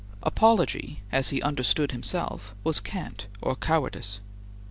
Apology, as he understood himself, was cant or cowardice.